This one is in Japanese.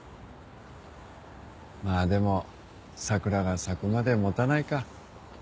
まぁでも桜が咲くまで持たないか。